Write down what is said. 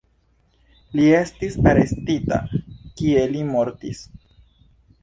Li estis arestita, kie li mortis.